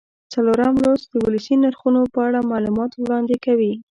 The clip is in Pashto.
څلورم لوست د ولسي نرخونو په اړه معلومات وړاندې کوي.